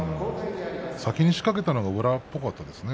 先に仕掛けたのが宇良っぽかったですね。